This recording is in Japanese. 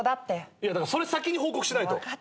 いやだからそれ先に報告しないと。